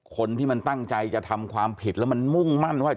คนที่มันตั้งใจจะทำความผิดแล้วมันมุ่งมั่นว่า